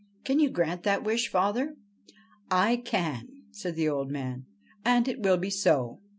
Can you grant that wish, father ?'' I can,' said the old man ; 'and it will be so.